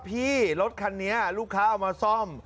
พี่รถคันนี้ลูกค้าเอามาซ่อม